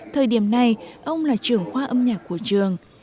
thời điểm này ông là trưởng khoa âm nhạc của trường